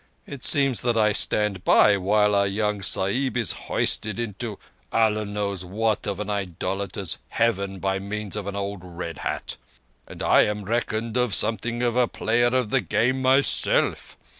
It seems that I stand by while a young Sahib is hoisted into Allah knows what of an idolater's Heaven by means of old Red Hat. And I am reckoned something of a player of the Game myself!